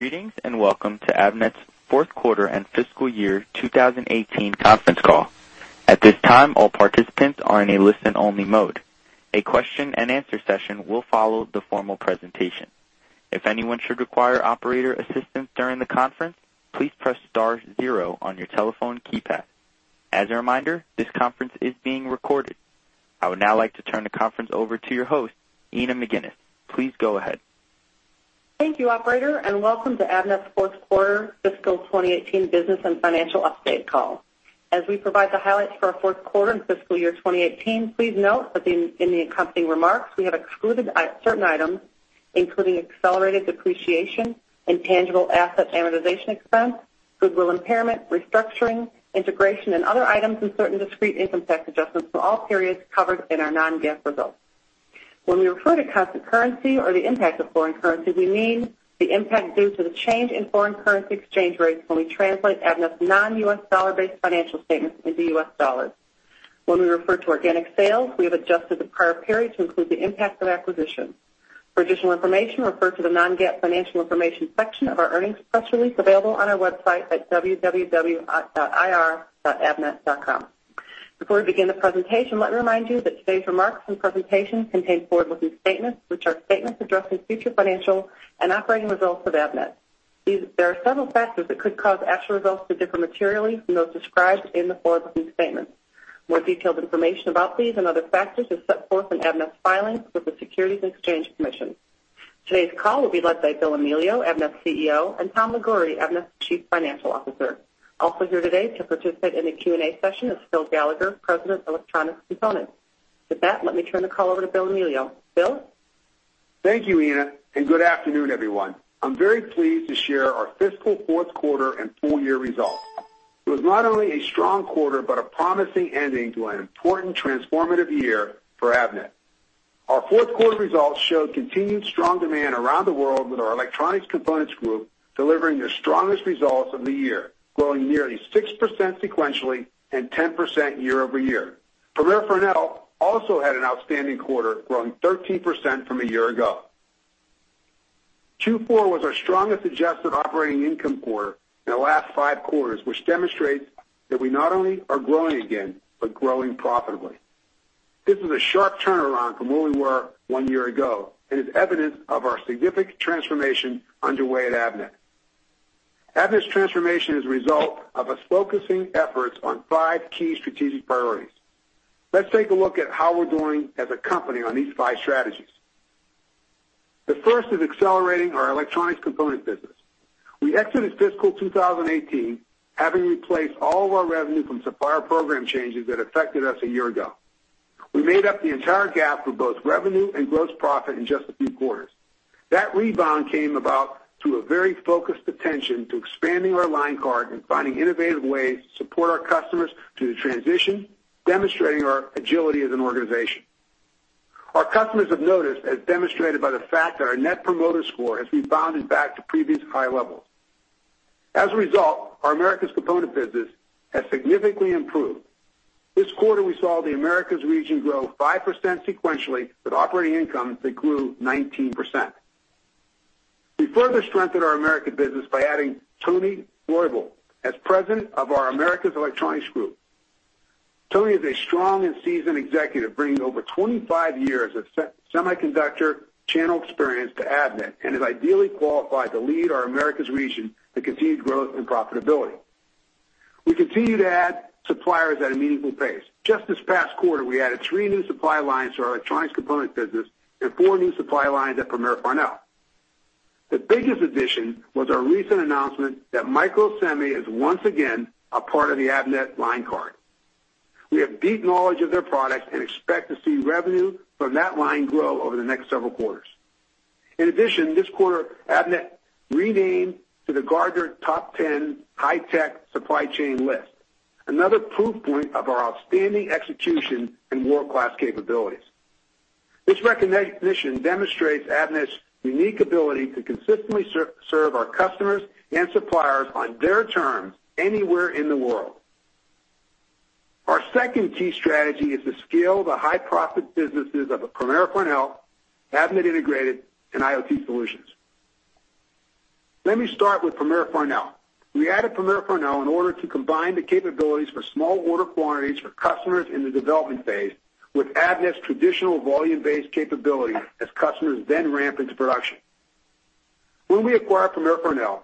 ...Greetings, and welcome to Avnet's Q4 and Fiscal Year 2018 Conference Call. At this time, all participants are in a listen-only mode. A Q&A session will follow the formal presentation. If anyone should require operator assistance during the conference, please press star zero on your telephone keypad. As a reminder, this conference is being recorded. I would now like to turn the conference over to your host, Ina McGuinness. Please go ahead. Thank you, operator, and welcome to Avnet's Q4 Fiscal 2018 Business and Financial Update Call. As we provide the highlights for our Q4 and fiscal year 2018, please note that in the accompanying remarks, we have excluded certain items, including accelerated depreciation and tangible asset amortization expense, goodwill impairment, restructuring, integration, and other items, and certain discrete income tax adjustments for all periods covered in our non-GAAP results. When we refer to constant currency or the impact of foreign currency, we mean the impact due to the change in foreign currency exchange rates when we translate Avnet's non-U.S. dollar-based financial statements into U.S. dollars. When we refer to organic sales, we have adjusted the prior period to include the impact of acquisitions. For additional information, refer to the non-GAAP financial information section of our earnings press release, available on our website at www.ir.avnet.com. Before we begin the presentation, let me remind you that today's remarks and presentation contain forward-looking statements, which are statements addressing future financial and operating results of Avnet. There are several factors that could cause actual results to differ materially from those described in the forward-looking statements. More detailed information about these and other factors is set forth in Avnet's filings with the Securities and Exchange Commission. Today's call will be led by Bill Amelio, Avnet's CEO, and Tom Liguori, Avnet's Chief Financial Officer. Also here today to participate in the Q&A session is Phil Gallagher, President of Electronic Components. With that, let me turn the call over to Bill Amelio. Bill? Thank you, Ina, and good afternoon, everyone. I'm very pleased to share our fiscal Q4 and full year results. It was not only a strong quarter, but a promising ending to an important transformative year for Avnet. Our Q4 results showed continued strong demand around the world, with our Electronic Components group delivering their strongest results of the year, growing nearly 6% sequentially and 10% year-over-year. Premier Farnell also had an outstanding quarter, growing 13% from a year ago. Q4 was our strongest adjusted operating income quarter in the last 5 quarters, which demonstrates that we not only are growing again, but growing profitably. This is a sharp turnaround from where we were 1 year ago and is evidence of our significant transformation underway at Avnet. Avnet's transformation is a result of us focusing efforts on 5 key strategic priorities. Let's take a look at how we're doing as a company on these five strategies. The first is accelerating our electronic components business. We exited fiscal 2018, having replaced all of our revenue from supplier program changes that affected us a year ago. We made up the entire gap for both revenue and gross profit in just a few quarters. That rebound came about through a very focused attention to expanding our line card and finding innovative ways to support our customers through the transition, demonstrating our agility as an organization. Our customers have noticed, as demonstrated by the fact that our Net Promoter Score has rebounded back to previous high levels. As a result, our Americas components business has significantly improved. This quarter, we saw the Americas region grow 5% sequentially, with operating incomes that grew 19%. We further strengthened our Americas business by adding Tony Roybal as president of our Americas Electronics group. Tony is a strong and seasoned executive, bringing over 25 years of semiconductor channel experience to Avnet, and is ideally qualified to lead our Americas region to continued growth and profitability. We continue to add suppliers at a meaningful pace. Just this past quarter, we added three new supply lines to our electronics component business and four new supply lines at Premier Farnell. The biggest addition was our recent announcement that Microsemi is once again a part of the Avnet line card. We have deep knowledge of their products and expect to see revenue from that line grow over the next several quarters. In addition, this quarter, Avnet returned to the Gartner Top Ten High-Tech Supply Chain list, another proof point of our outstanding execution and world-class capabilities. This recognition demonstrates Avnet's unique ability to consistently serve our customers and suppliers on their terms anywhere in the world. Our second key strategy is to scale the high-profit businesses of Premier Farnell, Avnet Integrated, and IoT Solutions. Let me start with Premier Farnell. We added Premier Farnell in order to combine the capabilities for small order quantities for customers in the development phase, with Avnet's traditional volume-based capability as customers then ramp into production. When we acquired Premier Farnell,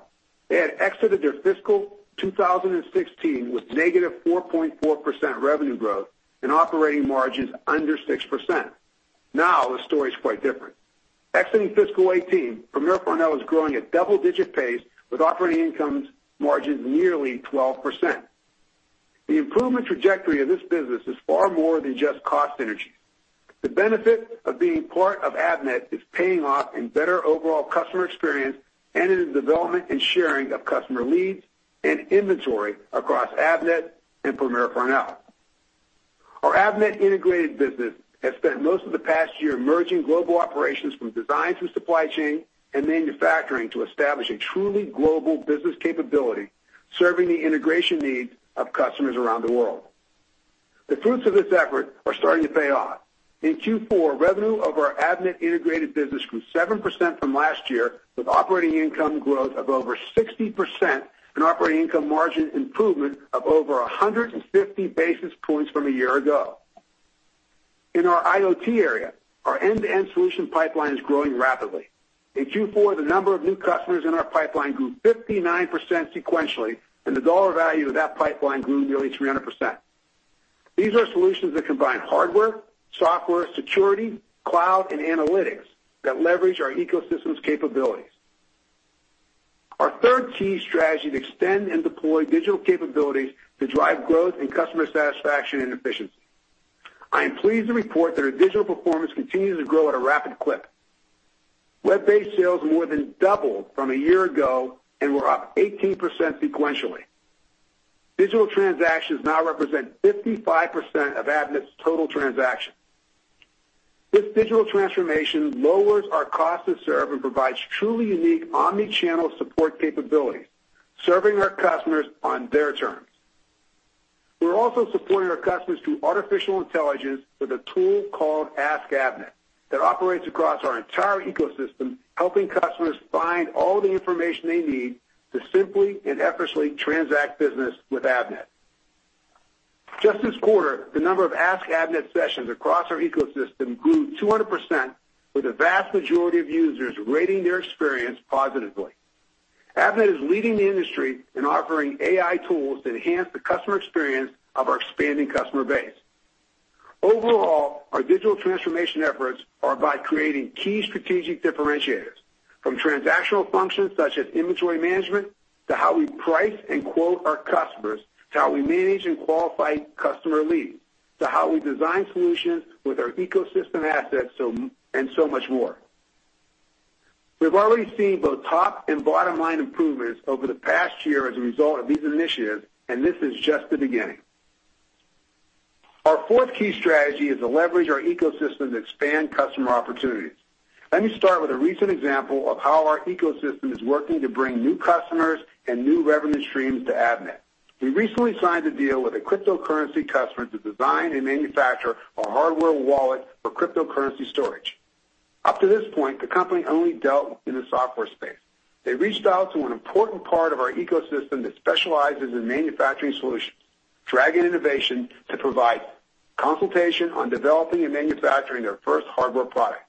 they had exited their fiscal 2016 with negative 4.4% revenue growth and operating margins under 6%. Now, the story is quite different. Exiting fiscal 2018, Premier Farnell is growing at double-digit pace with operating income margins nearly 12%. The improvement trajectory of this business is far more than just cost synergy. The benefit of being part of Avnet is paying off in better overall customer experience and in the development and sharing of customer leads and inventory across Avnet and Premier Farnell. Our Avnet Integrated business has spent most of the past year merging global operations from design through supply chain and manufacturing to establish a truly global business capability, serving the integration needs of customers around the world. The fruits of this effort are starting to pay off. In Q4, revenue of our Avnet Integrated business grew 7% from last year, with operating income growth of over 60% and operating income margin improvement of over 150 basis points from a year ago. In our IoT area, our end-to-end solution pipeline is growing rapidly. In Q4, the number of new customers in our pipeline grew 59% sequentially, and the dollar value of that pipeline grew nearly 300%. These are solutions that combine hardware, software, security, cloud, and analytics that leverage our ecosystem's capabilities. Our third key strategy is to extend and deploy digital capabilities to drive growth and customer satisfaction and efficiency. I am pleased to report that our digital performance continues to grow at a rapid clip. Web-based sales more than doubled from a year ago and were up 18% sequentially. Digital transactions now represent 55% of Avnet's total transactions. This digital transformation lowers our cost to serve and provides truly unique omni-channel support capabilities, serving our customers on their terms. We're also supporting our customers through artificial intelligence with a tool called Ask Avnet that operates across our entire ecosystem, helping customers find all the information they need to simply and effortlessly transact business with Avnet. Just this quarter, the number of Ask Avnet sessions across our ecosystem grew 200%, with the vast majority of users rating their experience positively. Avnet is leading the industry in offering AI tools to enhance the customer experience of our expanding customer base. Overall, our digital transformation efforts are by creating key strategic differentiators, from transactional functions, such as inventory management, to how we price and quote our customers, to how we manage and qualify customer leads, to how we design solutions with our ecosystem assets so, and so much more. We've already seen both top and bottom-line improvements over the past year as a result of these initiatives, and this is just the beginning. Our fourth key strategy is to leverage our ecosystem to expand customer opportunities. Let me start with a recent example of how our ecosystem is working to bring new customers and new revenue streams to Avnet. We recently signed a deal with a cryptocurrency customer to design and manufacture a hardware wallet for cryptocurrency storage. Up to this point, the company only dealt in the software space. They reached out to an important part of our ecosystem that specializes in manufacturing solutions, Dragon Innovation, to provide consultation on developing and manufacturing their first hardware product.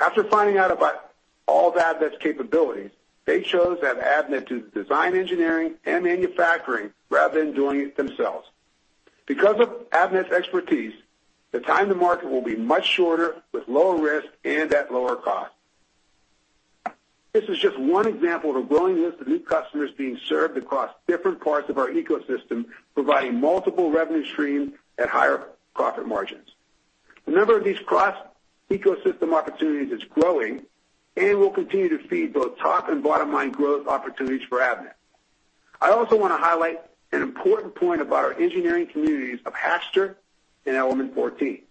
After finding out about all of Avnet's capabilities, they chose to have Avnet do the design, engineering, and manufacturing rather than doing it themselves. Because of Avnet's expertise, the time to market will be much shorter, with lower risk and at lower cost. This is just one example of the willingness of new customers being served across different parts of our ecosystem, providing multiple revenue streams at higher profit margins. The number of these cross-ecosystem opportunities is growing and will continue to feed both top and bottom-line growth opportunities for Avnet. I also want to highlight an important point about our engineering communities of Hackster and element14.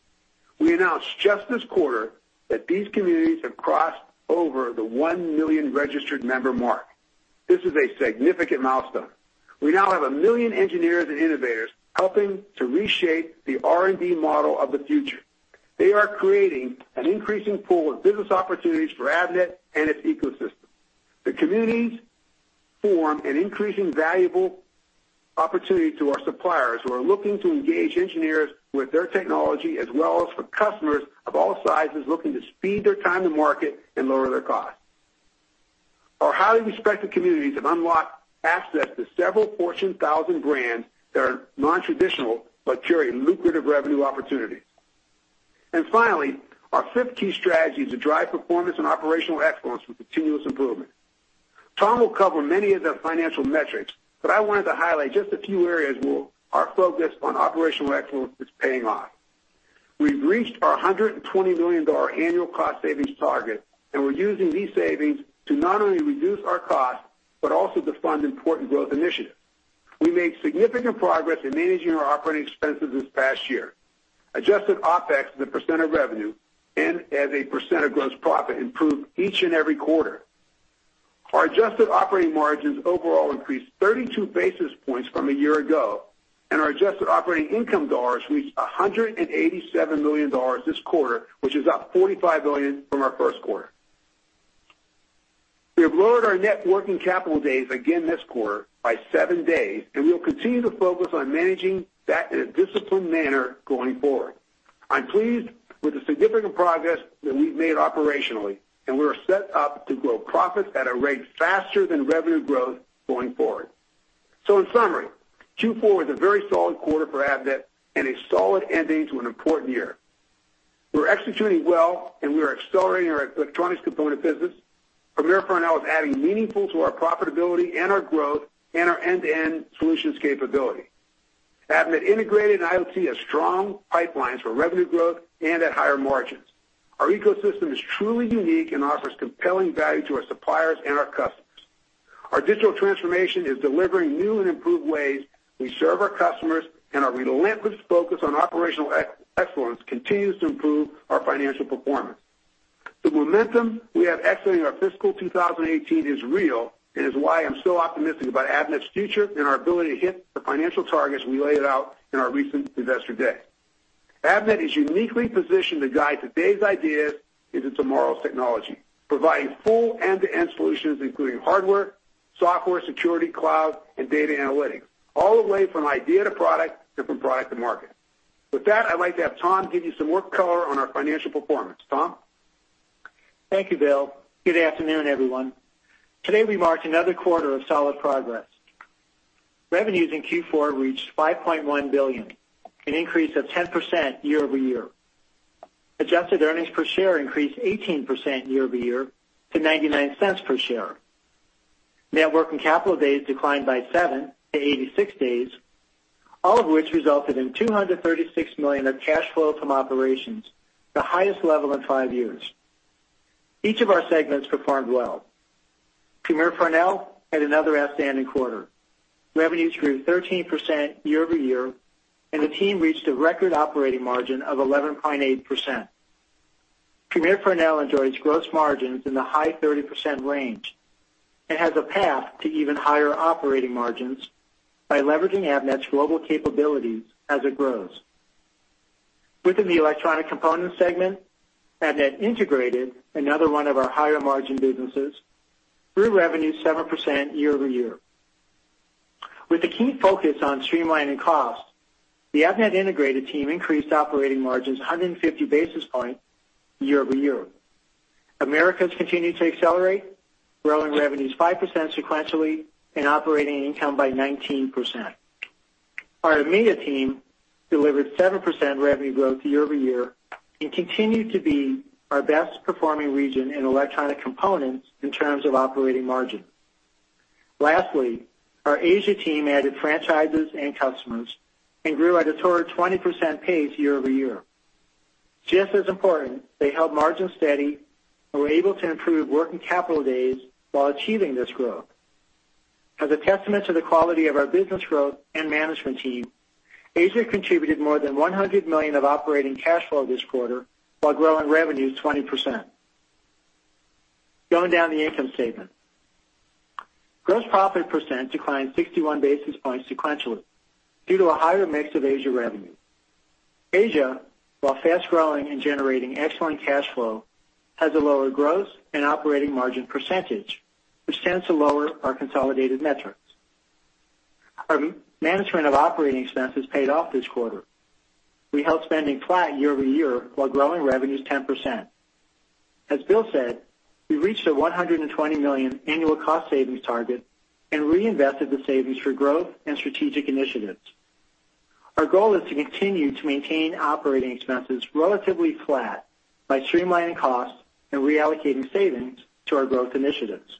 We announced just this quarter that these communities have crossed over the 1 million registered member mark. This is a significant milestone. We now have 1 million engineers and innovators helping to reshape the R&D model of the future. They are creating an increasing pool of business opportunities for Avnet and its ecosystem. The communities form an increasingly valuable opportunity to our suppliers who are looking to engage engineers with their technology, as well as for customers of all sizes looking to speed their time to market and lower their costs. Our highly respected communities have unlocked access to several Fortune 1000 brands that are nontraditional but carry lucrative revenue opportunities. And finally, our fifth key strategy is to drive performance and operational excellence with continuous improvement. Tom will cover many of the financial metrics, but I wanted to highlight just a few areas where our focus on operational excellence is paying off. We've reached our $120 million annual cost savings target, and we're using these savings to not only reduce our costs, but also to fund important growth initiatives. We made significant progress in managing our operating expenses this past year. Adjusted OpEx as a % of revenue and as a % of gross profit improved each and every quarter. Our adjusted operating margins overall increased 32 basis points from a year ago, and our adjusted operating income dollars reached $187 million this quarter, which is up $45 million from our Q1. We have lowered our net working capital days again this quarter by 7 days, and we will continue to focus on managing that in a disciplined manner going forward. I'm pleased with the significant progress that we've made operationally, and we are set up to grow profits at a rate faster than revenue growth going forward. So in summary, Q4 was a very solid quarter for Avnet and a solid ending to an important year. We're executing well, and we are accelerating our electronics component business. Premier Farnell is adding meaningful to our profitability and our growth and our end-to-end solutions capability. Avnet Integrated and IoT have strong pipelines for revenue growth and at higher margins. Our ecosystem is truly unique and offers compelling value to our suppliers and our customers. Our digital transformation is delivering new and improved ways we serve our customers, and our relentless focus on operational excellence continues to improve our financial performance. The momentum we have exiting our fiscal 2018 is real and is why I'm so optimistic about Avnet's future and our ability to hit the financial targets we laid out in our recent Investor Day. Avnet is uniquely positioned to guide today's ideas into tomorrow's technology, providing full end-to-end solutions, including hardware, software, security, cloud, and data analytics, all the way from idea to product and from product to market. With that, I'd like to have Tom give you some more color on our financial performance. Tom? Thank you, Bill. Good afternoon, everyone. Today, we marked another quarter of solid progress. Revenues in Q4 reached $5.1 billion, an increase of 10% year-over-year. Adjusted earnings per share increased 18% year-over-year to $0.99 per share. Net working capital days declined by 7 to 86 days, all of which resulted in $236 million of cash flow from operations, the highest level in 5 years. Each of our segments performed well. Premier Farnell had another outstanding quarter. Revenues grew 13% year-over-year, and the team reached a record operating margin of 11.8%. Premier Farnell enjoys gross margins in the high 30% range and has a path to even higher operating margins by leveraging Avnet's global capabilities as it grows. Within the electronic components segment, Avnet Integrated, another one of our higher margin businesses, grew revenue 7% year-over-year. With a keen focus on streamlining costs, the Avnet Integrated team increased operating margins 150 basis points year-over-year. Americas continued to accelerate, growing revenues 5% sequentially and operating income by 19%. Our EMEA team delivered 7% revenue growth year-over-year and continued to be our best-performing region in electronic components in terms of operating margin. Lastly, our Asia team added franchises and customers and grew at a total of 20% pace year-over-year. Just as important, they held margins steady and were able to improve working capital days while achieving this growth. As a testament to the quality of our business growth and management team, Asia contributed more than $100 million of operating cash flow this quarter while growing revenues 20%. Going down the income statement. Gross profit percent declined 61 basis points sequentially due to a higher mix of Asia revenue. Asia, while fast-growing and generating excellent cash flow, has a lower gross and operating margin percentage, which tends to lower our consolidated metrics. Our management of operating expenses paid off this quarter. We held spending flat year-over-year while growing revenues 10%. As Bill said, we reached the $120 million annual cost savings target and reinvested the savings for growth and strategic initiatives. Our goal is to continue to maintain operating expenses relatively flat by streamlining costs and reallocating savings to our growth initiatives.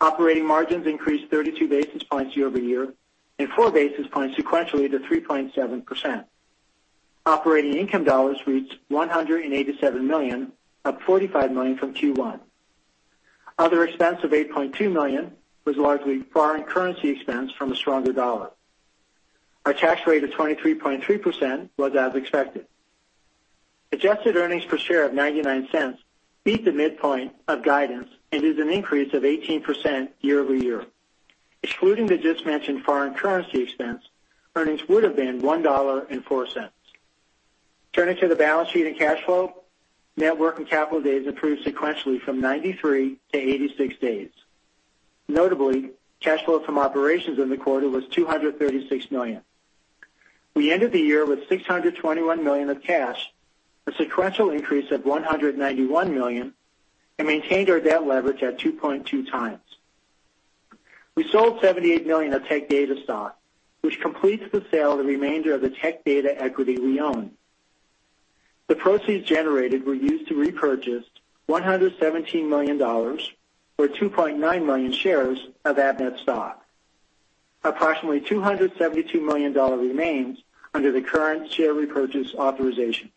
Operating margins increased 32 basis points year-over-year and 4 basis points sequentially to 3.7%. Operating income dollars reached $187 million, up $45 million from Q1. Other expense of $8.2 million was largely foreign currency expense from a stronger dollar. Our tax rate of 23.3% was as expected. Adjusted earnings per share of $0.99 beat the midpoint of guidance and is an increase of 18% year-over-year. Excluding the just mentioned foreign currency expense, earnings would have been $1.04. Turning to the balance sheet and cash flow, net working capital days improved sequentially from 93 to 86 days. Notably, cash flow from operations in the quarter was $236 million. We ended the year with $621 million of cash, a sequential increase of $191 million, and maintained our debt leverage at 2.2 times. We sold $78 million of Tech Data stock, which completes the sale of the remainder of the Tech Data equity we own. The proceeds generated were used to repurchase $117 million, or 2.9 million shares of Avnet stock. Approximately $272 million remains under the current share repurchase authorization.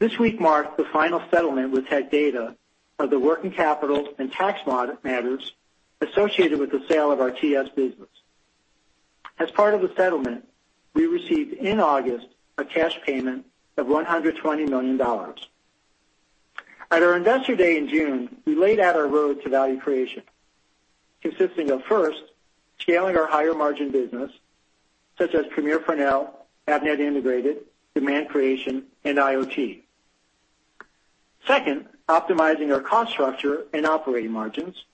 This week marked the final settlement with Tech Data of the working capital and tax matters associated with the sale of our TS business. As part of the settlement, we received in August a cash payment of $120 million. At our Investor Day in June, we laid out our road to value creation, consisting of, first, scaling our higher margin business, such as Premier Farnell, Avnet Integrated, Demand Creation, and IoT. Second, optimizing our cost structure and operating margins.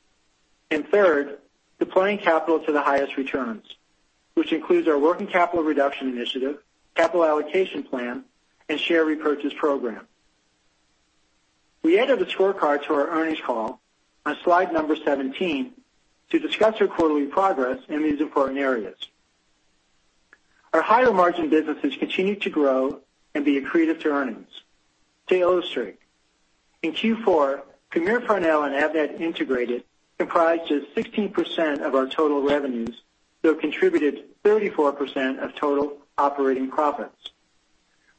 And third, deploying capital to the highest returns, which includes our working capital reduction initiative, capital allocation plan, and share repurchase program. We added a scorecard to our earnings call on slide number 17 to discuss our quarterly progress in these important areas. Our higher margin businesses continue to grow and be accretive to earnings. To illustrate, in Q4, Premier Farnell and Avnet Integrated comprised just 16% of our total revenues, though contributed 34% of total operating profits.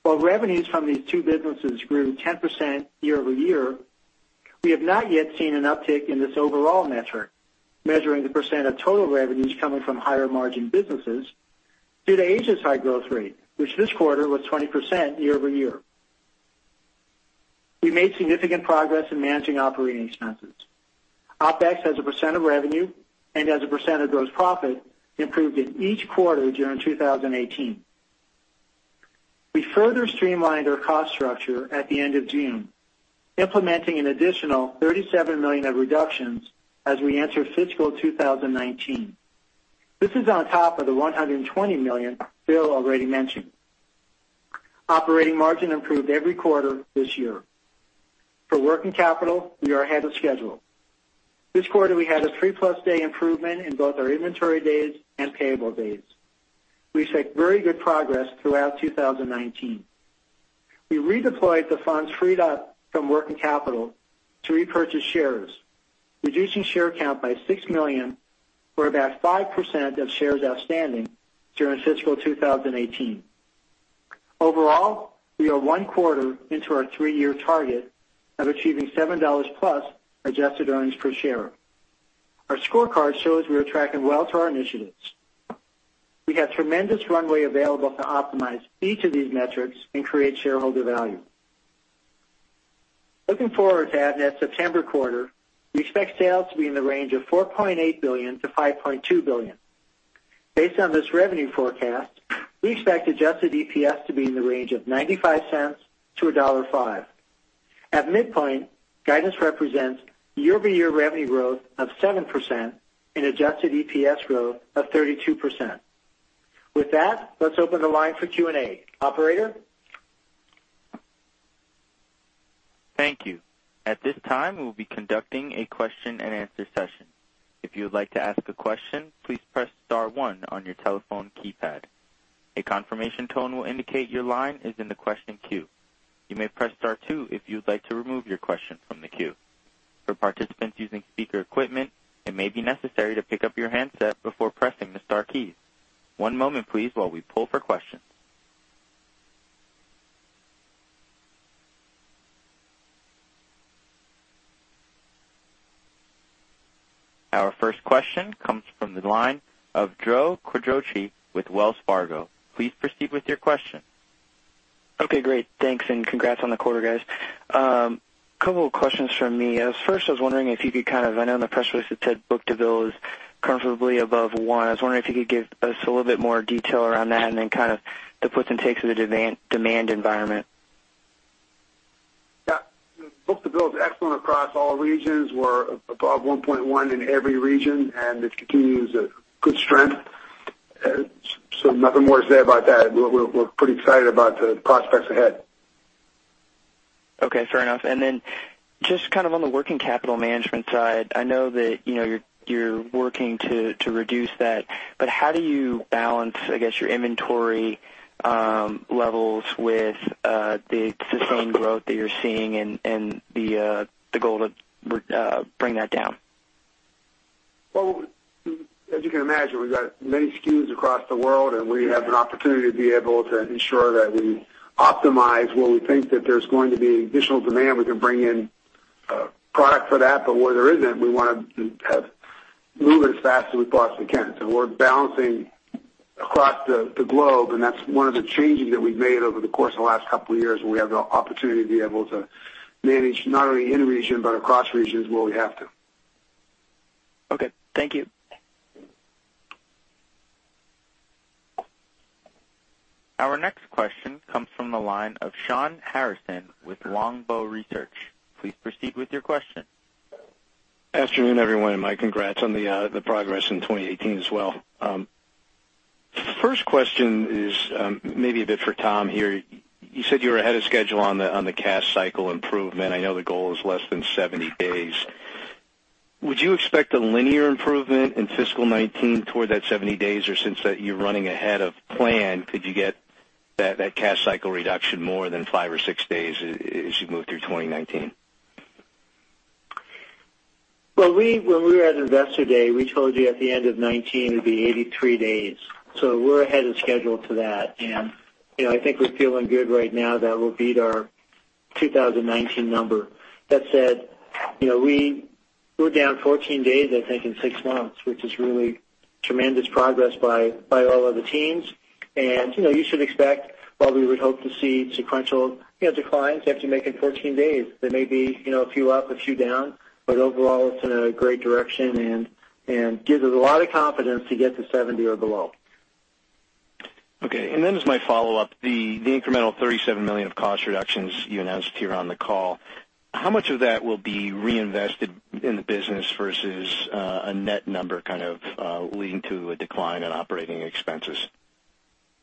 While revenues from these two businesses grew 10% year-over-year-... We have not yet seen an uptick in this overall metric, measuring the % of total revenues coming from higher-margin businesses due to Asia's high growth rate, which this quarter was 20% year-over-year. We made significant progress in managing operating expenses. OpEx as a % of revenue and as a % of gross profit improved in each quarter during 2018. We further streamlined our cost structure at the end of June, implementing an additional $37 million of reductions as we enter fiscal 2019. This is on top of the $120 million Bill already mentioned. Operating margin improved every quarter this year. For working capital, we are ahead of schedule. This quarter, we had a 3+ day improvement in both our inventory days and payable days. We expect very good progress throughout 2019. We redeployed the funds freed up from working capital to repurchase shares, reducing share count by 6 million, or about 5% of shares outstanding during fiscal 2018. Overall, we are one quarter into our three-year target of achieving $7+ adjusted earnings per share. Our scorecard shows we are tracking well to our initiatives. We have tremendous runway available to optimize each of these metrics and create shareholder value. Looking forward to have that September quarter, we expect sales to be in the range of $4.8 billion-$5.2 billion. Based on this revenue forecast, we expect adjusted EPS to be in the range of $0.95-$1.05. At midpoint, guidance represents year-over-year revenue growth of 7% and adjusted EPS growth of 32%. With that, let's open the line for Q&A. Operator? Thank you. At this time, we'll be conducting a Q&A session. If you would like to ask a question, please press star one on your telephone keypad. A confirmation tone will indicate your line is in the question queue. You may press star two if you'd like to remove your question from the queue. For participants using speaker equipment, it may be necessary to pick up your handset before pressing the star keys. One moment, please, while we pull for questions. Our first question comes from the line of Joe Quatrochi with Wells Fargo. Please proceed with your question. Okay, great. Thanks, and congrats on the quarter, guys. Couple of questions from me. First, I was wondering if you could kind of, I know in the press release it said book-to-bill is comfortably above one. I was wondering if you could give us a little bit more detail around that and then kind of the puts and takes of the demand, demand environment. Yeah. Book-to-bill is excellent across all regions. We're above 1.1 in every region, and it continues a good strength. So nothing more to say about that. We're pretty excited about the prospects ahead. Okay, fair enough. And then just kind of on the working capital management side, I know that, you know, you're working to reduce that, but how do you balance, I guess, your inventory levels with the sustained growth that you're seeing and the goal to bring that down? Well, as you can imagine, we've got many SKUs across the world, and we have an opportunity to be able to ensure that we optimize where we think that there's going to be additional demand. We can bring in product for that, but where there isn't, we want to have move it as fast as we possibly can. So we're balancing across the globe, and that's one of the changes that we've made over the course of the last couple of years, where we have the opportunity to be able to manage not only in region but across regions where we have to. Okay, thank you. Our next question comes from the line of Shawn Harrison with Longbow Research. Please proceed with your question. Afternoon, everyone, and my congrats on the progress in 2018 as well. First question is, maybe a bit for Tom here. You said you were ahead of schedule on the cash cycle improvement. I know the goal is less than 70 days. Would you expect a linear improvement in fiscal 2019 toward that 70 days, or since you're running ahead of plan, could you get that cash cycle reduction more than 5 or 6 days as you move through 2019? Well, when we were at Investor Day, we told you at the end of 2019, it'd be 83 days. So we're ahead of schedule to that. And, you know, I think we're feeling good right now that we'll beat our 2019 number. That said, you know, we're down 14 days, I think, in 6 months, which is really tremendous progress by all of the teams. And, you know, you should expect, while we would hope to see sequential, you know, declines after making 14 days, there may be, you know, a few up, a few down, but overall, it's in a great direction and gives us a lot of confidence to get to 70 or below. Okay, and then as my follow-up, the incremental $37 million of cost reductions you announced here on the call, how much of that will be reinvested in the business versus a net number kind of leading to a decline in operating expenses?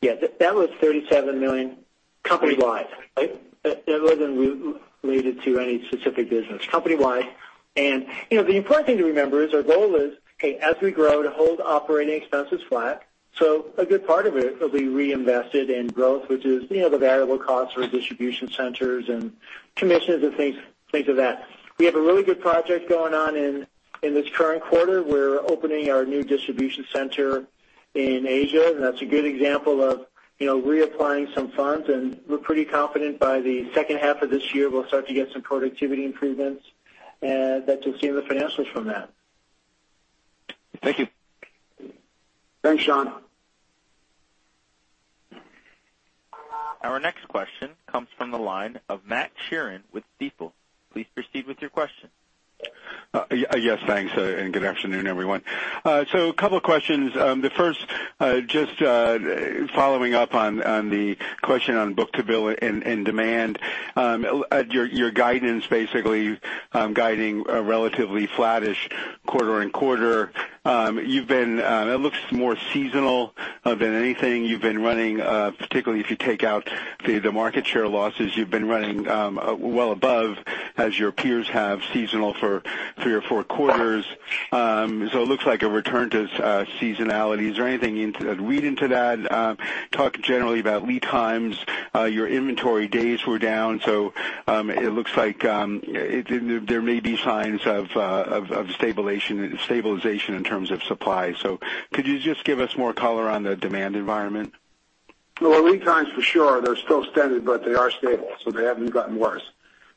Yeah, that was $37 million company-wide. It wasn't related to any specific business, company-wide. You know, the important thing to remember is our goal is, okay, as we grow, to hold operating expenses flat. So a good part of it will be reinvested in growth, which is, you know, the variable costs for distribution centers and commissions and things, things of that. We have a really good project going on in this current quarter. We're opening our new distribution center in Asia, and that's a good example of, you know, reapplying some funds, and we're pretty confident by the second half of this year, we'll start to get some productivity improvements, and that you'll see in the financials from that. Thank you. Thanks, Shawn. Our next question comes from the line of Matt Sheerin with Stifel. Please proceed with your question. Yes, thanks, and good afternoon, everyone. A couple of questions. The first, just following up on the question on Book-to-bill and demand. At your guidance, basically guiding a relatively flattish quarter and quarter. It looks more seasonal than anything. You've been running, particularly if you take out the market share losses, well above, as your peers have, seasonal for three or four quarters. It looks like a return to seasonality. Is there anything you can read into that? Talk generally about lead times. Your inventory days were down, so it looks like there may be signs of stabilization in terms of supply. Could you just give us more color on the demand environment? Well, lead times for sure, they're still extended, but they are stable, so they haven't gotten worse.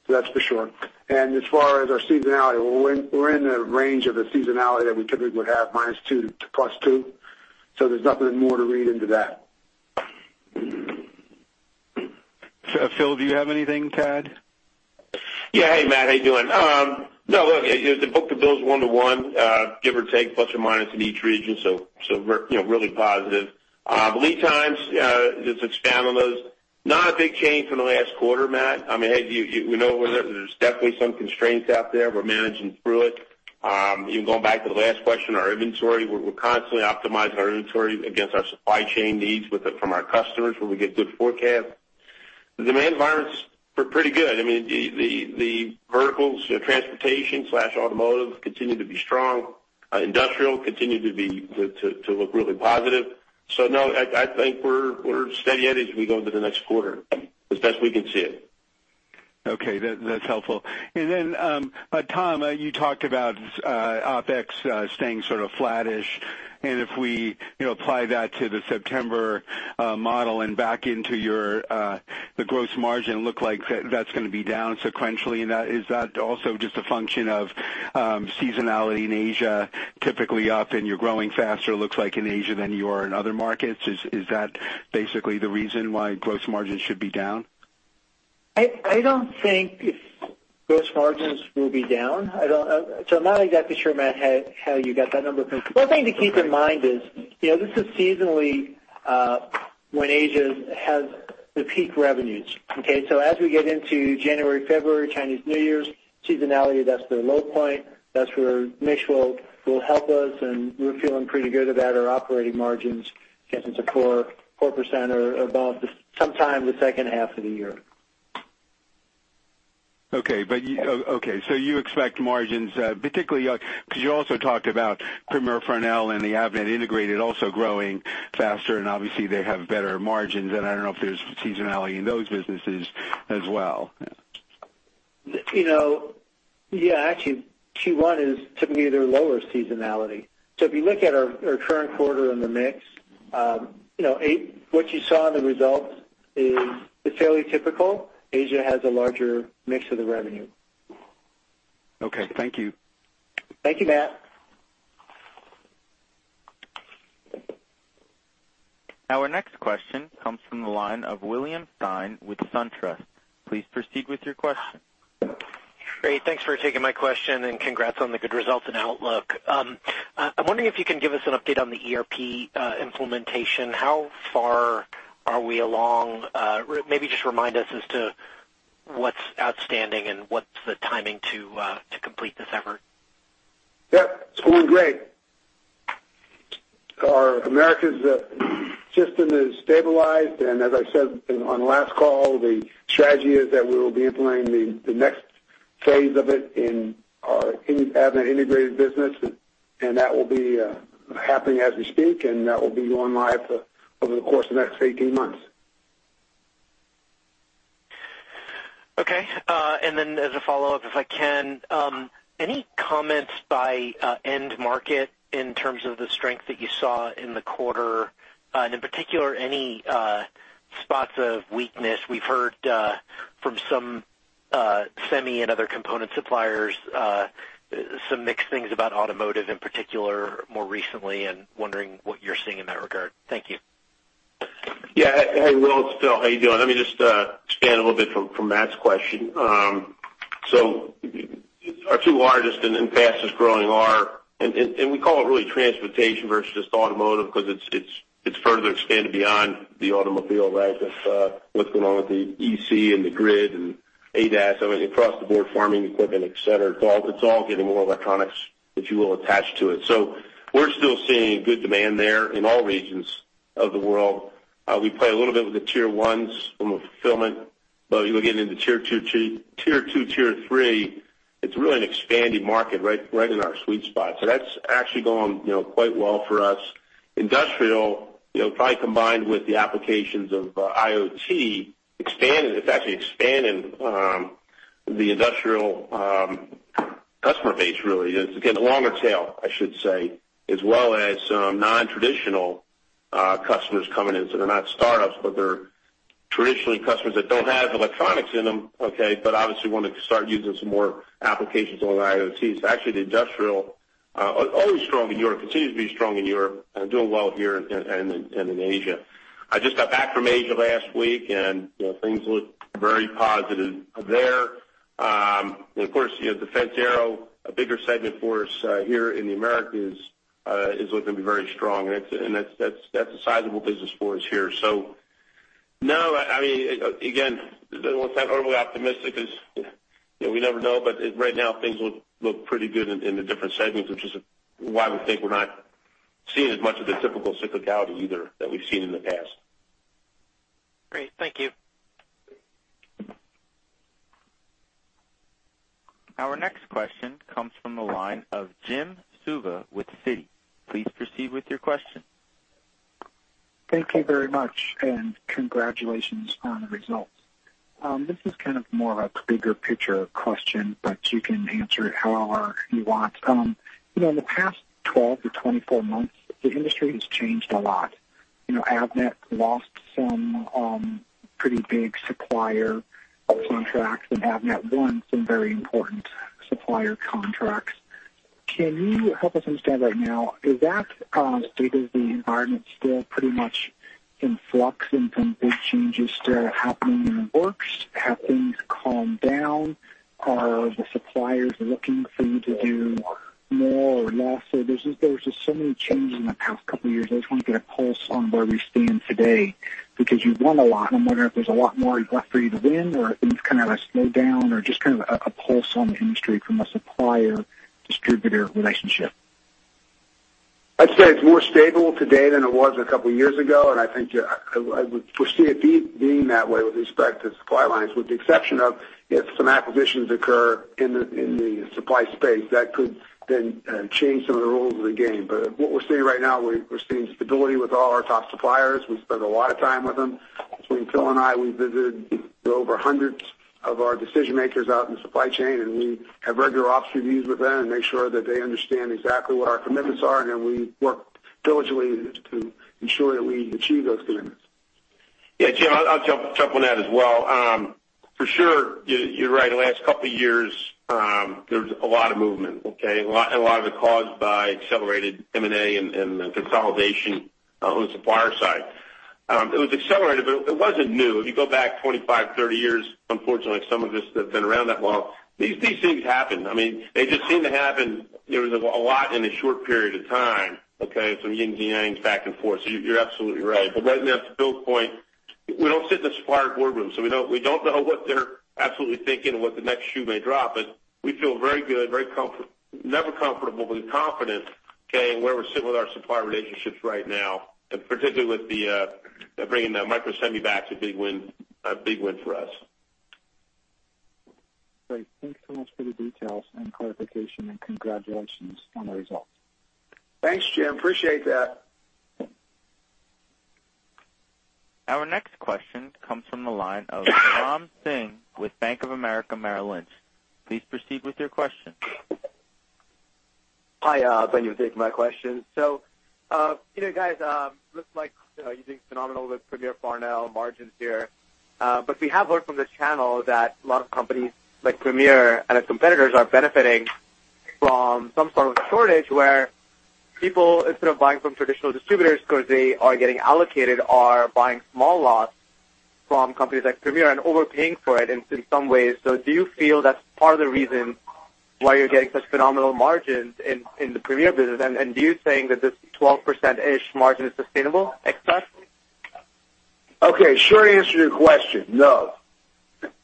That's for sure. And as far as our seasonality, we're in the range of the seasonality that we typically would have, -2 to +2, so there's nothing more to read into that. So Phil, do you have anything to add? Yeah. Hey, Matt, how you doing? No, look, the book-to-bill is 1 to 1, give or take, plus or minus in each region, so, you know, really positive. Lead times, just expand on those. Not a big change from the last quarter, Matt. I mean, hey, you we know there's definitely some constraints out there. We're managing through it. Even going back to the last question, our inventory, we're constantly optimizing our inventory against our supply chain needs with it from our customers, where we get good forecast. The demand environments were pretty good. I mean, the verticals, transportation/automotive continue to be strong. Industrial continue to be to look really positive. So, no, I think we're steady as we go into the next quarter, as best we can see it. Okay, that's helpful. Then, Tom, you talked about OpEx staying sort of flattish, and if we, you know, apply that to the September model and back into your the gross margin, look like that's going to be down sequentially. And that is also just a function of seasonality in Asia, typically up, and you're growing faster, looks like, in Asia than you are in other markets? Is that basically the reason why gross margins should be down? I don't think gross margins will be down. I don't... So I'm not exactly sure, Matt, how you got that number. One thing to keep in mind is, you know, this is seasonally, when Asia has the peak revenues, okay? So as we get into January, February, Chinese New Year's, seasonality, that's the low point. That's where mix will help us, and we're feeling pretty good about our operating margins, getting to 4% or above, sometime the second half of the year. Okay, so you expect margins, particularly, because you also talked about Premier Farnell and the Avnet Integrated also growing faster, and obviously, they have better margins, and I don't know if there's seasonality in those businesses as well. You know, yeah, actually, Q1 is typically their lower seasonality. So if you look at our current quarter in the mix, you know, what you saw in the results is fairly typical. Asia has a larger mix of the revenue. Okay, thank you. Thank you, Matt. Now, our next question comes from the line of William Stein with SunTrust. Please proceed with your question. Great, thanks for taking my question, and congrats on the good results and outlook. I'm wondering if you can give us an update on the ERP implementation. How far are we along? Maybe just remind us as to what's outstanding and what's the timing to complete this effort? Yep, it's going great. Our Americas system is stabilized, and as I said on last call, the strategy is that we will be implementing the next phase of it in our Avnet Integrated business, and that will be happening as we speak, and that will be going live over the course of the next 18 months. Okay, and then as a follow-up, if I can, any comments by end market in terms of the strength that you saw in the quarter, and in particular, any spots of weakness? We've heard from some semi and other component suppliers, some mixed things about automotive in particular more recently, and wondering what you're seeing in that regard. Thank you. Yeah. Hey, Will, it's Phil. How you doing? Let me just expand a little bit from Matt's question. So our two largest and fastest-growing are, and we call it really transportation versus automotive, because it's further expanded beyond the automobile, right? With what's going on with the EV and the grid and ADAS, I mean, across the board, farming equipment, et cetera. It's all getting more electronics, if you will, attached to it. So we're still seeing good demand there in all regions of the world. We play a little bit with the tier ones from a fulfillment, but you'll get into tier two, tier three. It's really an expanding market, right in our sweet spot. So that's actually going, you know, quite well for us. Industrial, you know, probably combined with the applications of IoT, expanding—it's actually expanding the industrial customer base really is, again, a longer tail, I should say, as well as some nontraditional customers coming in. So they're not startups, but they're traditionally customers that don't have electronics in them, okay, but obviously want to start using some more applications on IoT. So actually, the industrial always strong in Europe, continues to be strong in Europe and doing well here and, and, and in Asia. I just got back from Asia last week, and, you know, things look very positive there. And of course, you have defense aero, a bigger segment for us here in the Americas, is looking to be very strong, and it's—and that's, that's, that's a sizable business for us here. So no, I mean, again, don't want to sound overly optimistic because, you know, we never know. But right now things look pretty good in the different segments, which is why we think we're not seeing as much of the typical cyclicality either that we've seen in the past. Great. Thank you. Our next question comes from the line of Jim Suva with Citi. Please proceed with your question. Thank you very much, and congratulations on the results. This is kind of more of a bigger picture question, but you can answer it however you want. You know, in the past 12-24 months, the industry has changed a lot. You know, Avnet lost some pretty big supplier contracts, and Avnet won some very important supplier contracts. Can you help us understand right now, is that because the environment's still pretty much in flux and some big changes still happening in the works? Have things calmed down? Are the suppliers looking for you to do more or less? So there's just, there was just so many changes in the past couple of years. I just want to get a pulse on where we stand today, because you've won a lot, and I'm wondering if there's a lot more left for you to win, or it's kind of a slowdown or just kind of a pulse on the industry from a supplier-distributor relationship. I'd say it's more stable today than it was a couple of years ago, and I think, I would foresee it being that way with respect to the supply lines, with the exception of if some acquisitions occur in the, in the supply space, that could then change some of the rules of the game. But what we're seeing right now, we're, we're seeing stability with all our top suppliers. We spend a lot of time with them. Between Phil and I, we visited over hundreds of our decision makers out in the supply chain, and we have regular ops reviews with them and make sure that they understand exactly what our commitments are, and then we work diligently to ensure that we achieve those commitments. Yeah, Jim, I'll jump on that as well. For sure, you're right. The last couple of years, there's a lot of movement, okay? A lot of it caused by accelerated M&A and consolidation on the supplier side. It was accelerated, but it wasn't new. If you go back 25, 30 years, unfortunately, some of us that have been around that long, these things happen. I mean, they just seem to happen. There was a lot in a short period of time, okay? Some yin and yang back and forth. So you're absolutely right. But right now, to Phil's point, we don't sit in the supplier boardroom, so we don't know what they're absolutely thinking and what the next shoe may drop. But we feel very good, very comfort—never comfortable, but confident, okay, in where we sit with our supplier relationships right now, and particularly with the bringing the Microsemi back is a big win, a big win for us. Great. Thank you so much for the details and clarification, and congratulations on the results. Thanks, Jim. Appreciate that. Our next question comes from the line of Param Singh with Bank of America Merrill Lynch. Please proceed with your question. Hi, thank you for taking my question. So, you know, guys, looks like, you know, you did phenomenal with Premier Farnell margins here. But we have heard from the channel that a lot of companies like Premier and its competitors are benefiting from some sort of shortage where people, instead of buying from traditional distributors because they are getting allocated, are buying small lots from companies like Premier and overpaying for it in some ways. So do you feel that's part of the reason why you're getting such phenomenal margins in, in the Premier business? And do you think that this 12%-ish margin is sustainable, excess? Okay, short answer to your question, no.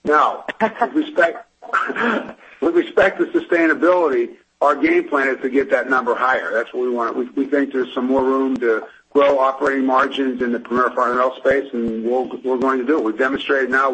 Now, with respect to sustainability, our game plan is to get that number higher. That's what we want. We think there's some more room to grow operating margins in the Premier Farnell space, and we're going to do it. We've demonstrated now,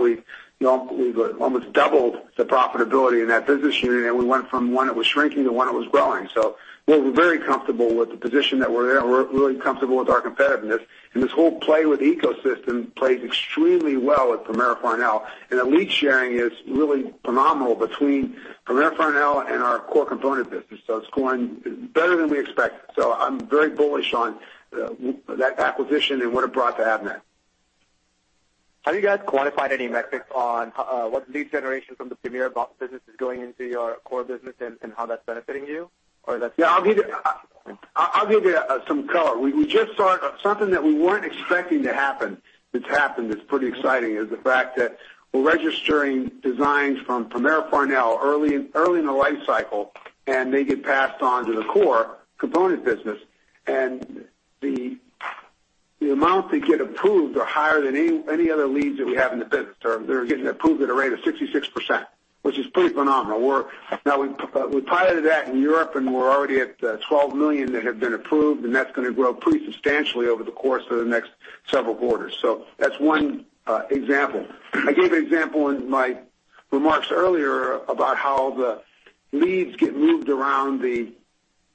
you know, we've almost doubled the profitability in that business unit, and we went from one that was shrinking to one that was growing. So we're very comfortable with the position that we're at. We're really comfortable with our competitiveness, and this whole play with ecosystem plays extremely well with Premier Farnell, and the lead sharing is really phenomenal between Premier Farnell and our core component business, so it's going better than we expected. So I'm very bullish on that acquisition and what it brought to Avnet. Have you guys quantified any metrics on, what lead generation from the Premier business is going into your core business and, and how that's benefiting you? Or that's- Yeah, I'll give you, I'll give you some color. We just saw something that we weren't expecting to happen, that's happened, that's pretty exciting, is the fact that we're registering designs from Premier Farnell early, early in the life cycle, and they get passed on to the core component business. And the amount they get approved are higher than any other leads that we have in the business. They're getting approved at a rate of 66%, which is pretty phenomenal. We're now, we piloted that in Europe, and we're already at $12 million that have been approved, and that's going to grow pretty substantially over the course of the next several quarters. So that's one example. I gave an example in my remarks earlier about how the leads get moved around the- ...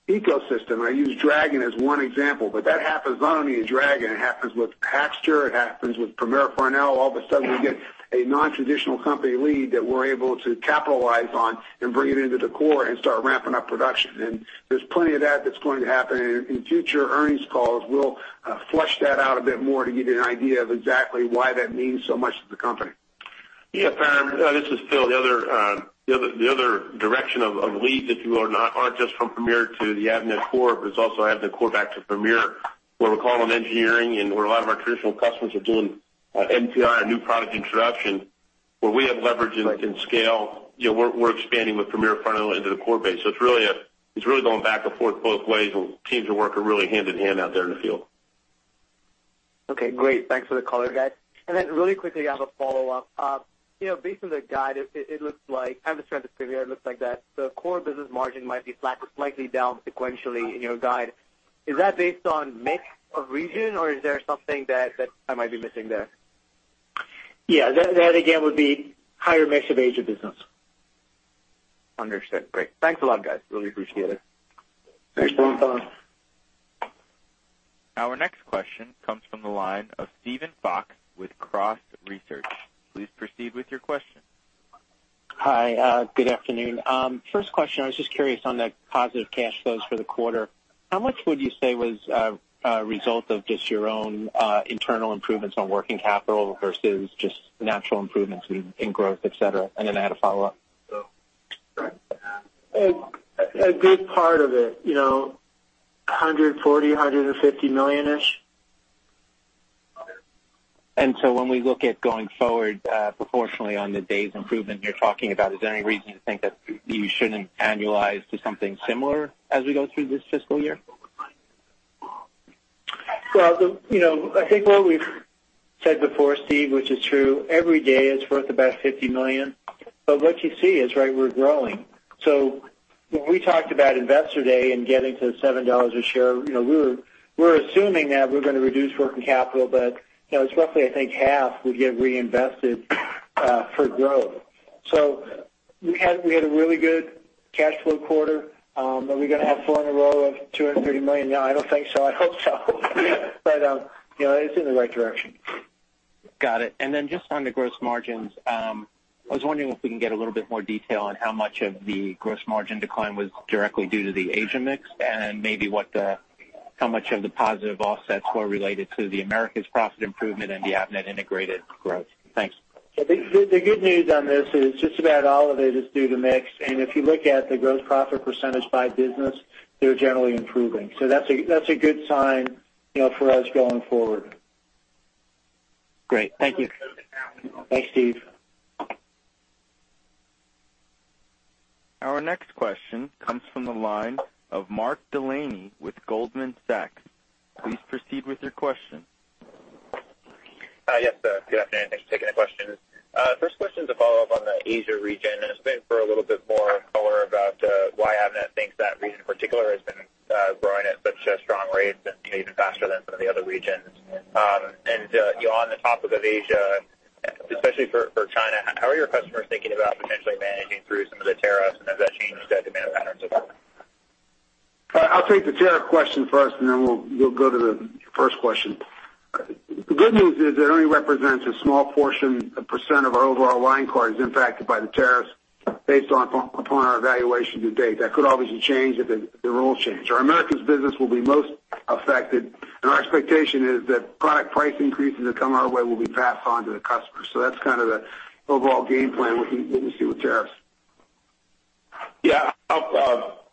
ecosystem, I use Dragon as one example, but that happens not only in Dragon, it happens with Hackster, it happens with Premier Farnell. All of a sudden, we get a non-traditional company lead that we're able to capitalize on and bring it into the core and start ramping up production. And there's plenty of that that's going to happen. In future earnings calls, we'll flesh that out a bit more to give you an idea of exactly why that means so much to the company. Yeah, Param, this is still the other direction of leads, if you will, not just from Premier to the Avnet core, but it's also Avnet core back to Premier, where we're calling on engineering and where a lot of our traditional customers are doing NPI, our new product introduction, where we have leverage and scale. You know, we're expanding with Premier Farnell into the core base. So it's really going back and forth both ways, and teams are working really hand-in-hand out there in the field. Okay, great. Thanks for the color, guys. And then really quickly, I have a follow-up. You know, based on the guide, it, it looks like, I'm just trying to figure, it looks like that the core business margin might be flat, slightly down sequentially in your guide. Is that based on mix of region or is there something that, that I might be missing there? Yeah, that, that again, would be higher mix of Asia business. Understood. Great. Thanks a lot, guys. Really appreciate it. Thanks. Thanks a lot. Our next question comes from the line of Steven Fox with Cross Research. Please proceed with your question. Hi, good afternoon. First question, I was just curious on the positive cash flows for the quarter. How much would you say was a result of just your own internal improvements on working capital versus just natural improvements in growth, et cetera? And then I had a follow-up. A good part of it, you know, $140 million-$150 million-ish. And so when we look at going forward, proportionally on the days improvement you're talking about, is there any reason to think that you shouldn't annualize to something similar as we go through this fiscal year? Well, the, you know, I think what we've said before, Steve, which is true, every day is worth about $50 million. But what you see is, right, we're growing. So when we talked about Investor Day and getting to $7 a share, you know, we were—we're assuming that we're going to reduce working capital, but, you know, it's roughly, I think, half would get reinvested for growth. So we had, we had a really good cash flow quarter. Are we going to have four in a row of $230 million? No, I don't think so. I hope so. But, you know, it's in the right direction. Got it. And then just on the gross margins, I was wondering if we can get a little bit more detail on how much of the gross margin decline was directly due to the Asia mix, and maybe how much of the positive offsets were related to the Americas profit improvement and the Avnet Integrated growth. Thanks. The good news on this is just about all of it is due to mix, and if you look at the gross profit percentage by business, they're generally improving. So that's a good sign, you know, for us going forward. Great. Thank you. Thanks, Steve. Our next question comes from the line of Mark Delaney with Goldman Sachs. Please proceed with your question. Hi. Yes, sir. Good afternoon. Thanks for taking the questions. First question is a follow-up on the Asia region, and it's been for a little bit more color about why Avnet thinks that region in particular has been growing at such a strong rate and even faster than some of the other regions. And you know, on the topic of Asia, especially for China, how are your customers thinking about potentially managing through some of the tariffs, and has that changed the demand patterns at all? I'll take the tariff question first, and then we'll go to the first question. The good news is it only represents a small portion, 1% of our overall line card is impacted by the tariffs based upon our evaluation to date. That could obviously change if the rules change. Our Americas business will be most affected, and our expectation is that product price increases that come our way will be passed on to the customer. So that's kind of the overall game plan with the tariffs. Yeah, I'll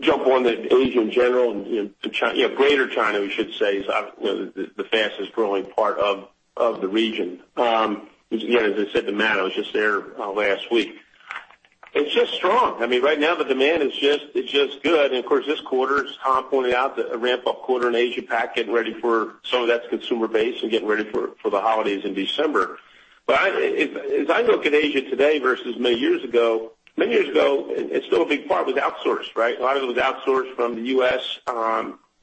jump on the Asia in general, and China, greater China, we should say, is the fastest growing part of the region. Again, as I said to Matt, I was just there last week. It's just strong. I mean, right now, the demand is just—it's just good. Of course, this quarter, as Tom pointed out, the ramp-up quarter in Asia Pac, getting ready for some of that consumer base and getting ready for the holidays in December. But if I look at Asia today versus many years ago, many years ago a big part was outsourced, right? A lot of it was outsourced from the U.S.,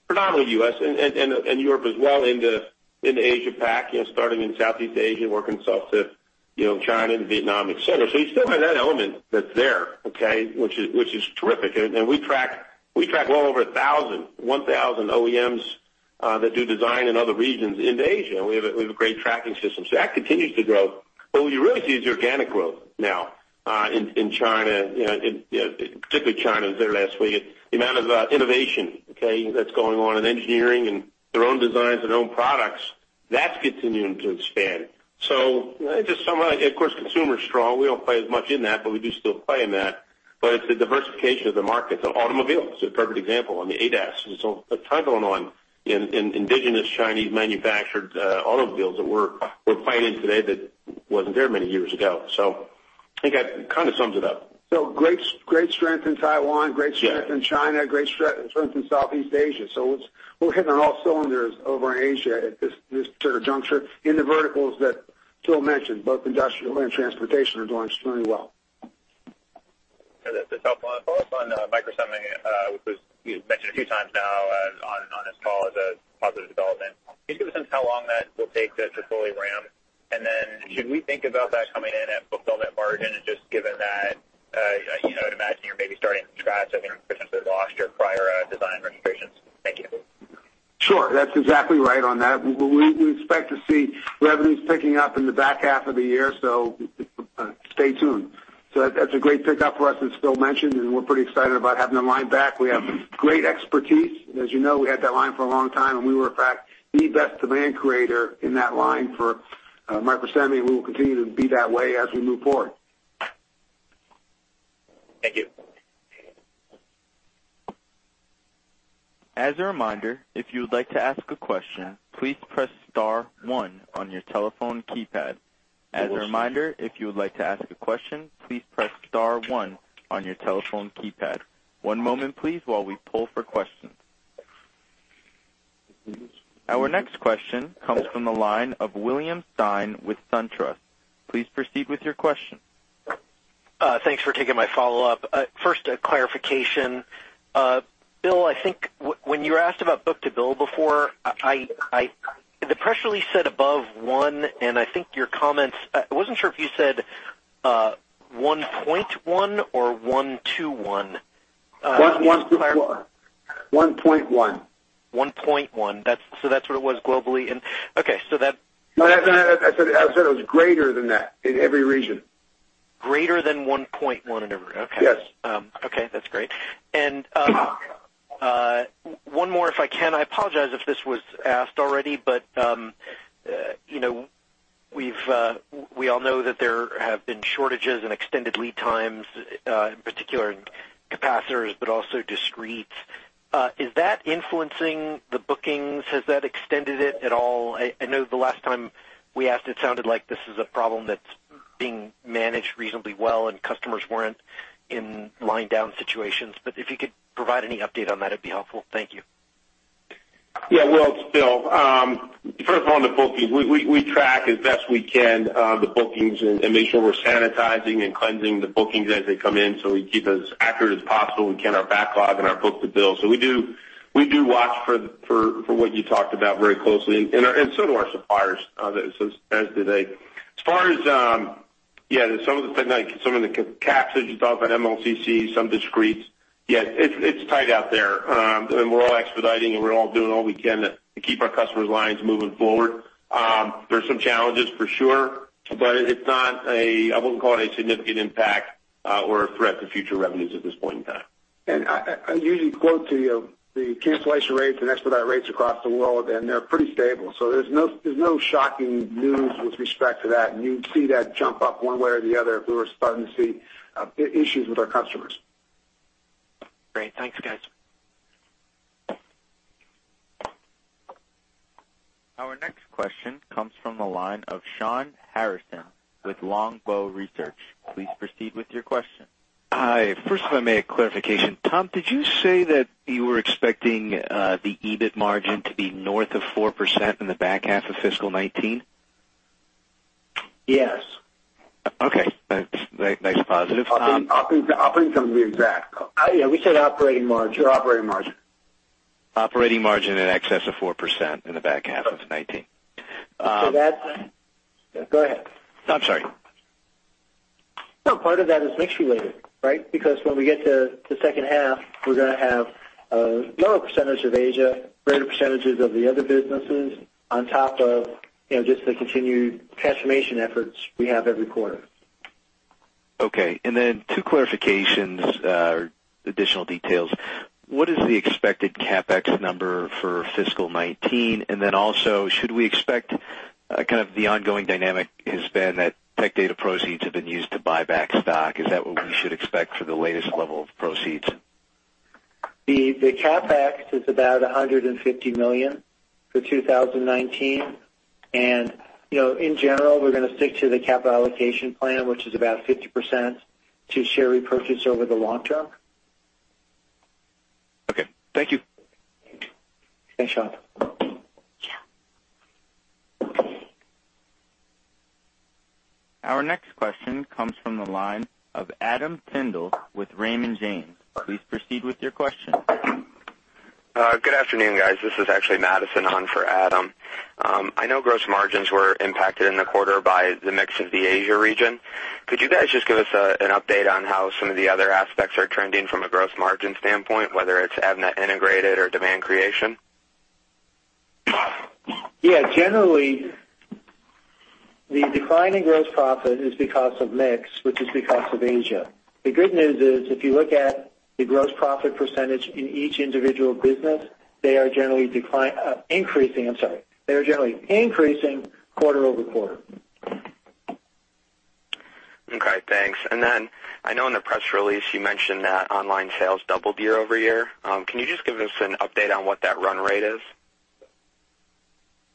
predominantly U.S. and Europe as well, into Asia Pac, you know, starting in Southeast Asia, working south to, you know, China and Vietnam, et cetera. So you still have that element that's there, okay, which is terrific. And we track well over 1,000 OEMs that do design in other regions into Asia, and we have a great tracking system, so that continues to grow. But what you really see is organic growth now, in China, you know, particularly in China. I was there last week. The amount of innovation, okay, that's going on in engineering and their own designs and own products, that's continuing to expand. So just summarize, of course, consumer is strong. We don't play as much in that, but we do still play in that. But it's the diversification of the market. So automobile is a perfect example. I mean, ADAS, there's a ton going on in indigenous Chinese-manufactured automobiles that we're playing in today that wasn't there many years ago. So I think that kind of sums it up. So great, great strength in Taiwan, great strength in China, great strength in Southeast Asia. So it's, we're hitting on all cylinders over in Asia at this sort of juncture in the verticals that Phil mentioned, both industrial and transportation, are doing extremely well. That's helpful. And for us on Microsemi, which was mentioned a few times now, and on-... a positive development. Can you give us how long that will take to fully ramp? And then should we think about that coming in at fulfillment margin, just given that, you know, I'd imagine you're maybe starting from scratch, I mean, since you lost your prior design registrations. Thank you. Sure. That's exactly right on that. We expect to see revenues picking up in the back half of the year, so, stay tuned. So that's a great pickup for us, as Bill mentioned, and we're pretty excited about having the line back. We have great expertise. As you know, we had that line for a long time, and we were, in fact, the best demand creator in that line for Microsemi, and we will continue to be that way as we move forward. Thank you. As a reminder, if you would like to ask a question, please press star one on your telephone keypad. As a reminder, if you would like to ask a question, please press star one on your telephone keypad. One moment, please, while we pull for questions. Our next question comes from the line of William Stein with SunTrust. Please proceed with your question. Thanks for taking my follow-up. First, a clarification. Bill, I think when you were asked about book-to-bill before, the press release said above 1, and I think your comments. I wasn't sure if you said 1.1 or 1:1. 1.1. 1.1. 1.1. That's so that's what it was globally? And okay, so that- No, I said it was greater than that in every region. Greater than 1.1 in every... Okay. Yes. Okay, that's great. And, one more, if I can. I apologize if this was asked already, but, you know, we've, we all know that there have been shortages and extended lead times, in particular in capacitors, but also discretes. Is that influencing the bookings? Has that extended it at all? I, I know the last time we asked, it sounded like this is a problem that's being managed reasonably well and customers weren't in line down situations, but if you could provide any update on that, it'd be helpful. Thank you. Yeah, well, it's Phil. First of all, on the bookings, we track as best we can the bookings and make sure we're sanitizing and cleansing the bookings as they come in, so we keep as accurate as possible we can our backlog and our book-to-bill. So we do watch for what you talked about very closely and so do our suppliers, as do they. As far as yeah, some of the capacitors you talked about, MLCC, some discretes. Yeah, it's tight out there, and we're all expediting, and we're all doing all we can to keep our customers' lines moving forward. There are some challenges for sure, but it's not a—I wouldn't call it a significant impact, or a threat to future revenues at this point in time. I usually quote to you the cancellation rates and expedite rates across the world, and they're pretty stable, so there's no shocking news with respect to that. And you'd see that jump up one way or the other if we were starting to see issues with our customers. Great. Thanks, guys. Our next question comes from the line of Shawn Harrison with Longbow Research. Please proceed with your question. Hi. First, if I may, a clarification. Tom, did you say that you were expecting the EBIT margin to be north of 4% in the back half of fiscal 2019? Yes. Okay. That's nice, positive. I'll bring some of the exact. Yeah, we said operating margin, operating margin. Operating margin in excess of 4% in the back half of 2019. So that... Go ahead. I'm sorry. No, part of that is mix-related, right? Because when we get to the second half, we're gonna have a lower percentage of Asia, greater percentages of the other businesses on top of, you know, just the continued transformation efforts we have every quarter. Okay, and then two clarifications, additional details. What is the expected CapEx number for fiscal 2019? And then also, should we expect kind of the ongoing dynamic has been that Tech Data proceeds have been used to buy back stock. Is that what we should expect for the latest level of proceeds? The CapEx is about $150 million for 2019. And, you know, in general, we're gonna stick to the capital allocation plan, which is about 50% to share repurchase over the long term. Okay. Thank you. Thanks, Shawn. Our next question comes from the line of Adam Tindle with Raymond James. Please proceed with your question. Good afternoon, guys. This is actually Madison on for Adam. I know gross margins were impacted in the quarter by the mix of the Asia region. Could you guys just give us an update on how some of the other aspects are trending from a gross margin standpoint, whether it's Avnet Integrated or demand creation? Yeah, generally, the decline in gross profit is because of mix, which is because of Asia. The good news is, if you look at the gross profit percentage in each individual business, they are generally increasing, I'm sorry. They are generally increasing quarter-over-quarter. Okay, thanks. And then I know in the press release you mentioned that online sales doubled year-over-year. Can you just give us an update on what that run rate is?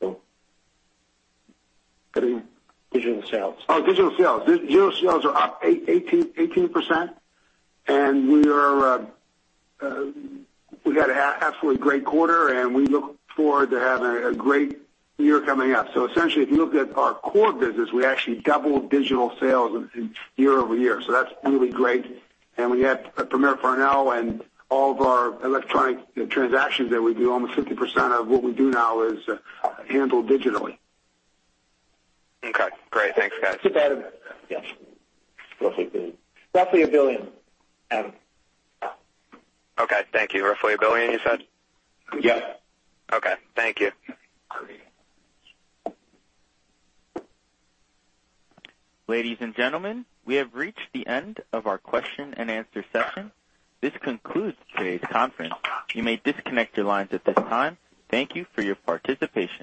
So digital sales. Oh, digital sales. Digital sales are up 18, 18%, and we are, we had an absolutely great quarter, and we look forward to having a great year coming up. So essentially, if you look at our core business, we actually doubled digital sales year-over-year, so that's really great. And we had Premier Farnell and all of our electronic transactions that we do, almost 50% of what we do now is handled digitally. Okay, great. Thanks, guys. Yeah. Roughly $1 billion, Adam. Okay, thank you. Roughly $1 billion, you said? Yes. Okay. Thank you. Ladies and gentlemen, we have reached the end of our Q&A session. This concludes today's conference. You may disconnect your lines at this time. Thank you for your participation.